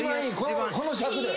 この尺で。